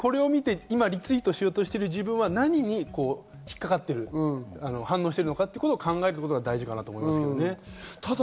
今リツイートしている自分は今、一体何にひっかかっている、反応しているのかというのを考えるのが大事かなと思いますね。